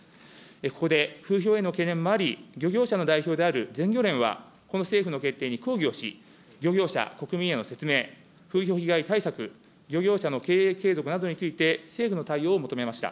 ここで風評への懸念もあり、漁業者の代表である、全漁連はこの政府の決定に抗議をし、漁業者、国民への説明、風評被害対策、漁業者の経営継続などについて、政府の対応を求めました。